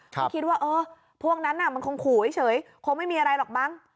ก็คิดว่าเออพวกนั้นมันคงขู่เฉยคงไม่มีอะไรหรอกมั้ง